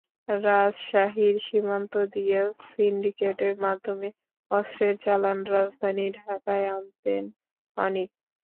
রাজশাহীর সীমান্ত দিয়ে সিন্ডিকেটের মাধ্যমে অস্ত্রের চালান রাজধানী ঢাকায় আনতেন অনিক।